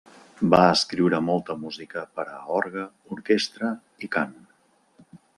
Va escriure molta música per a orgue, orquestra i cant.